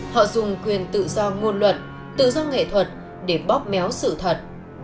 họ dùng quyền tự do ngôn luận tự do nghệ thuật để bóp méo sự thật